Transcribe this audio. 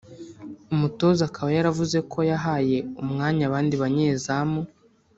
Umutoza akaba yaravuze ko yahaye umwanya abandi banyezamu